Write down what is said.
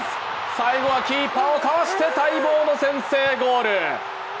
最後はキーパーをかわして待望の先制ゴール。